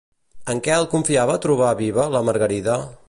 En Quel confiava a trobar viva la Margarida?